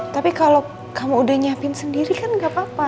tapi kalau kamu udah nyiapin sendiri kan gak apa apa